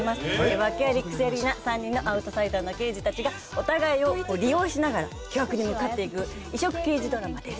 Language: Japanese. ワケありクセありな３人のアウトサイダーな刑事たちがお互いを利用しながら巨悪に向かっていく異色刑事ドラマです。